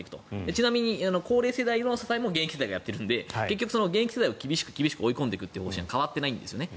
ちなみに高齢世代の支えも現役世代がやっているので結局、現役世代を厳しく追い込んでいくことに変わっていないんですよね。